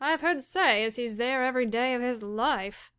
] I've heard say as he's there every day of his life.